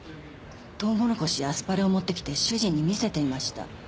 トウモロコシやアスパラを持ってきて主人に見せていました。